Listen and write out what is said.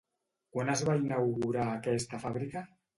Quan es va inaugurar aquesta fàbrica?